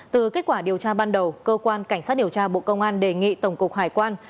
từ kết quả điều tra ban đầu cơ quan cảnh sát điều tra bộ công an đề nghị tổng cục hải quan